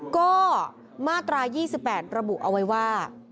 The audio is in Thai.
ก็มาตรา๒๘ระบุเอาไว้ว่า